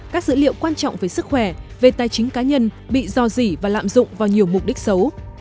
các dữ liệu quan trọng về sức khỏe về tài chính cá nhân bị do dỉ và lạm dụng vào nhiều mục đích xấu